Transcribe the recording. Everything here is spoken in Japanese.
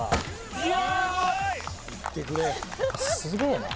すごい！